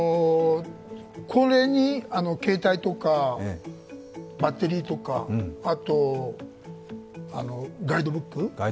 これに携帯とかバッテリーとか、あとガイドブック。